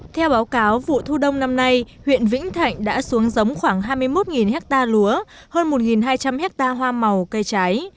theo báo cáo vụ thu đông năm nay huyện vĩnh thạnh đã xuống giống khoảng hai mươi một ha lúa hơn một hai trăm linh hectare hoa màu cây trái